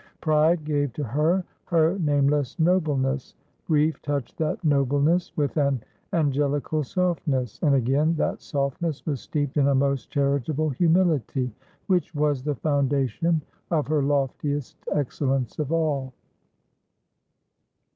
Pride gave to her her nameless nobleness; Grief touched that nobleness with an angelical softness; and again that softness was steeped in a most charitable humility, which was the foundation of her loftiest excellence of all.